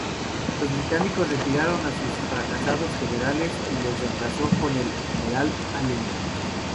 Los británicos retiraron a sus fracasados generales y les reemplazó con el general Allenby.